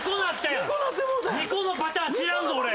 ２個のパターン知らんぞ俺。